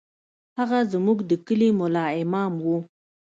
هغه زموږ د کلي ملا امام و.